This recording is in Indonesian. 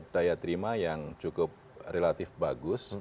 daya terima yang cukup relatif bagus